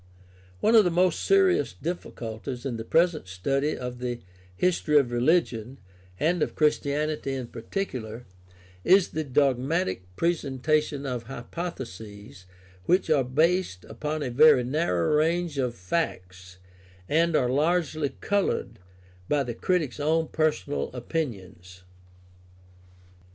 One of the most serious difficulties in the present study of the history of religion, and of Christianity in par ticular, is the dogmatic presentation of hypotheses which are based upon a very narrow range of facts and are largely colored by the critic's own personal opinions.